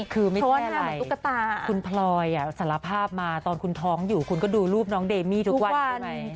คือไม่ใช่คุณพลอยสารภาพมาตอนคุณท้องอยู่คุณก็ดูรูปน้องเดมี่ทุกวันใช่ไหม